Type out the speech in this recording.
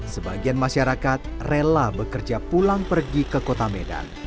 sebagian masyarakat rela bekerja pulang pergi ke kota medan